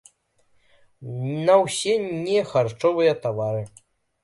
На ўсе нехарчовыя тавары.